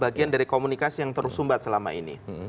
bagian dari komunikasi yang terus sumbat selama ini